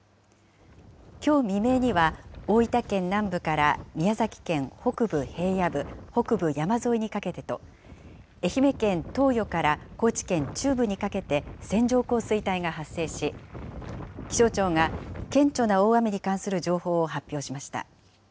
きょう未明には、大分県南部から宮崎県北部平野部、北部山沿いにかけてと、愛媛県東予から高知県中部にかけて、線状降水帯が発生し、気象庁が顕著な大雨に関する情報を発表しました。